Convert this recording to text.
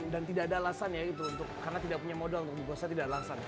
dan tidak ada alasan ya karena tidak punya modal untuk buku saya tidak ada alasan